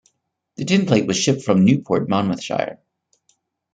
The tinplate was shipped from Newport, Monmouthshire.